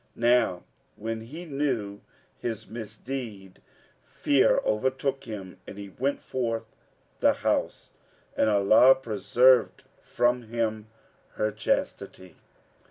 Now when he knew his misdeed, fear overtook him and he went forth the house and Allah preserved from him her chastity.